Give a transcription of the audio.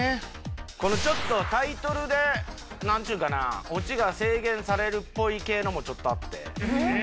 このちょっとタイトルで何ちゅうかなオチが制限されるっぽい系のもちょっとあって。